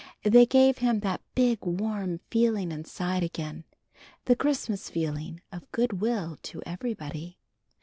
They gave him that big, warm feeling inside again; the Christmas feeling of good will to everybody.